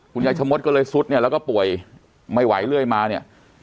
ชะมดก็เลยซุดเนี่ยแล้วก็ป่วยไม่ไหวเรื่อยมาเนี่ย